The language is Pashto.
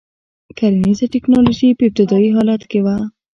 کرنیزه ټکنالوژي په ابتدايي حالت کې وه.